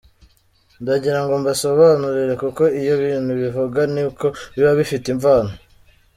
Ndagira ngo mbasobanurire kuko iyo ibintu bivugwa ni uko biba bifite imvano.